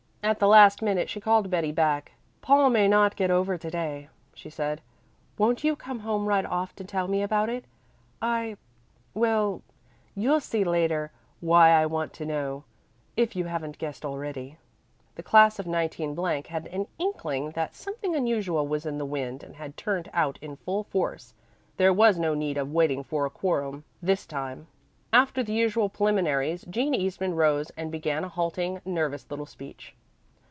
At the last minute she called Betty back. "Paul may not get over to day," she said. "Won't you come home right off to tell me about it? I well, you'll see later why I want to know if you haven't guessed already." The class of 19 had an inkling that something unusual was in the wind and had turned out in full force. There was no need of waiting for a quorum this time. After the usual preliminaries Jean Eastman rose and began a halting, nervous little speech.